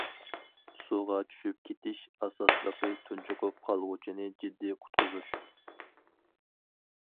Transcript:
سۇغا چۈشۈپ كېتىش: ئاساسلىقى تۇنجۇقۇپ قالغۇچىنى جىددىي قۇتقۇزۇش.